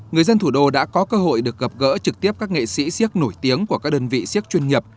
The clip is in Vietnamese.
người dân thủ đô đã có cơ hội được gặp gỡ trực tiếp các nghệ sĩ siếc nổi tiếng của các đơn vị siếc chuyên nghiệp